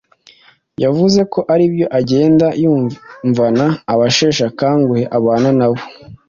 yavuze ko ari ibyo agenda yumvana abasheshakanguhe abana nabo.